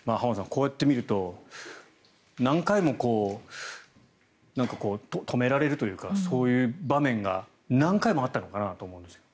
こうやって見ると何回も止められるというかそういう場面が何回もあったのかなと思うんですが。